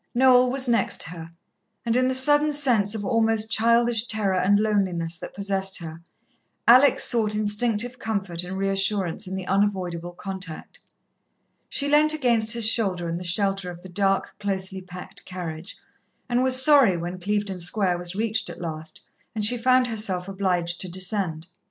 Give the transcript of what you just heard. Noel was next her, and in the sudden sense of almost childish terror and loneliness that possessed her, Alex sought instinctive comfort and reassurance in the unavoidable contact. She leant against his shoulder in the shelter of the dark, closely packed carriage, and was sorry when Clevedon Square was reached at last, and she found herself obliged to descend.